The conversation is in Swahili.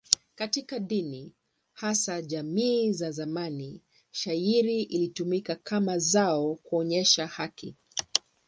Katika dini, hasa jamii za zamani, shayiri ilitumika kama zao kuonyesha haki.